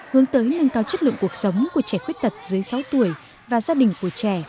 hướng tới nâng cao chất lượng cuộc sống của trẻ khuyết tật dưới sáu tuổi và gia đình của trẻ